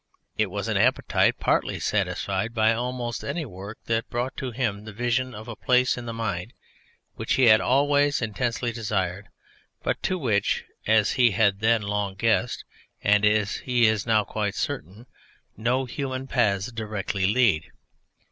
It was an appetite partly satisfied by almost any work that brought to him the vision of a place in the mind which he had always intensely desired, but to which, as he had then long guessed, and as he is now quite certain, no human paths directly lead.